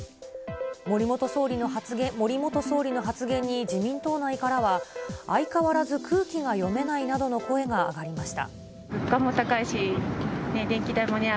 森元総理の発言に自民党内からは、相変わらず空気が読めないなどの声が上がりました。